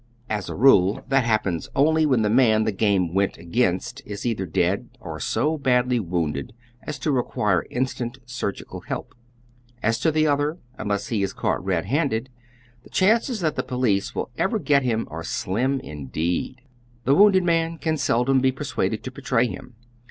As a rule that happens only when the man the game went against is either dead or so badly ■woiuided as to require instant surgical help. As to tlie other, iniless he be caught red handed, the chances tliat the police will ever get him are slim indeed. The wounded man can seldom be persuaded to betray him.